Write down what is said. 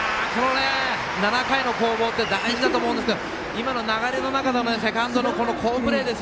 ７回の攻防って大事だと思うんですけど今の流れの中でセカンドの好プレー。